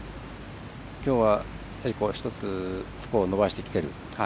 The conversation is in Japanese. きょうは１つスコアを伸ばしてきている。